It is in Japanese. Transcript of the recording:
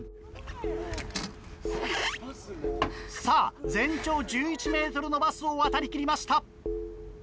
さぁ全長１１ｍのバスを渡りきりました。